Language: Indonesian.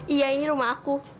iya ini rumah aku